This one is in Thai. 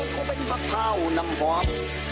โอ้ชอบเป็นมะพร่าวนำหอม